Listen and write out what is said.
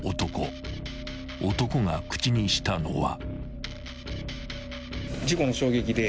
［男が口にしたのは］